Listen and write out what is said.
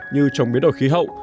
như chống biến đổi khí hậu